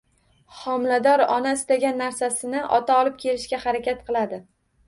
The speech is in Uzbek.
Homilador ona istagan narsasini ota olib kelishga harakat qiladi